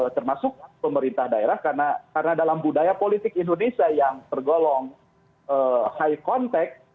termasuk pemerintah daerah karena dalam budaya politik indonesia yang tergolong high contact